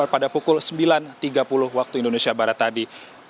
pada pukul sembilan tiga puluh waktu indonesia barat tadi